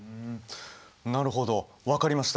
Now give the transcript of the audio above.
なるほど分かりました。